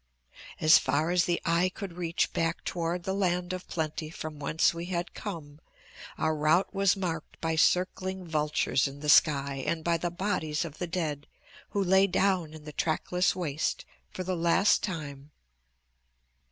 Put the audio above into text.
As far as the eye could reach back toward the land of plenty from whence we had come, our route was marked by circling vultures in the sky and by the bodies of the dead who lay down in the trackless waste for the last time.